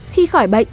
khi khỏi bệnh